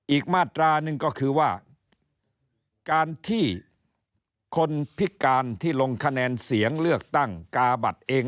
อีกมาตราหนึ่งก็คือว่าการที่คนพิการที่ลงคะแนนเสียงเลือกตั้งกาบัตรเอง